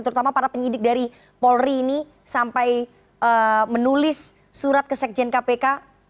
terutama para penyidik dari polri ini sampai menulis surat ke sekjen kpk